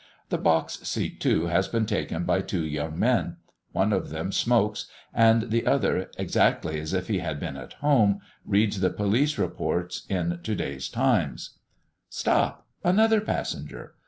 The box seat, too, has been taken by two young men; one of them smokes, and the other, exactly as if he had been at home, reads the police reports in to day's "Times." Stop! another passenger!